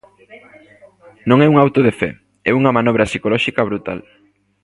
Non é un auto de fe, é unha manobra psicolóxica brutal.